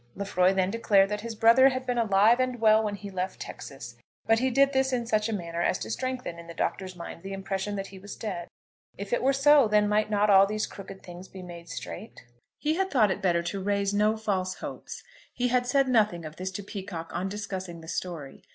Lefroy then declared that his brother had been alive and well when he left Texas, but he did this in such a manner as to strengthen in the Doctor's mind the impression that he was dead. If it were so, then might not all these crooked things be made straight? He had thought it better to raise no false hopes. He had said nothing of this to Peacocke on discussing the story.